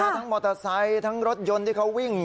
ทั้งมอเตอร์ไซค์ทั้งรถยนต์ที่เขาวิ่ง